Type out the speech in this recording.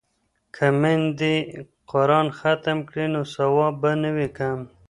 که میندې قران ختم کړي نو ثواب به نه وي کم.